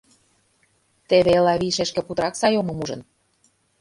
Теве Элавий шешке путырак сай омым ужын.